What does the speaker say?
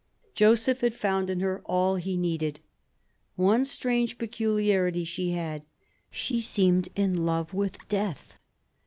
Joseph had found in her all he needed. One strange peculiarity she had, she seemed in love with death.